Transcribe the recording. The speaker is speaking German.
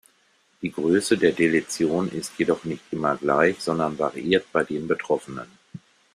Die Größe der Deletion ist jedoch nicht immer gleich, sondern variiert bei den Betroffenen.